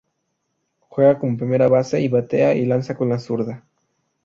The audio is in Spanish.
Juega como primera base y batea y lanza con la zurda.